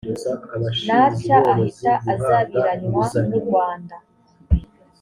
n atya ahita azabiranywa n u rwanda